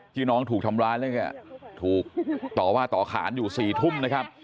ที่น้องถูกทำร้ายแล้วก็ถูกต่อว่าต่อขานอยู่๔ทุ่มนะครับ